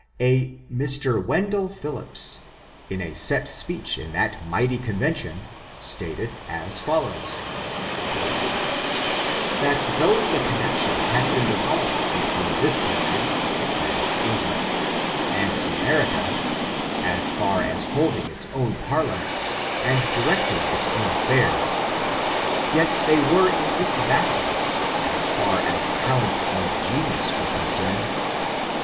A Mr, Wendell Phillips, in a set speech in that mighty convention, stated as follows: "That though the connection had been dissolved between this coun try (England) and America, as far as holding its own parliaments, and directing its own afiairs, yet they «l^^^^^ 370 ORIGIN, CHARACTER, AND ( were in its vassalage, as far as taleiits and genius were concerned.